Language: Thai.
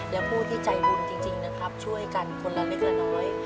และผู้ที่ใจบุญจริงนะครับช่วยกันคนละเล็กละน้อย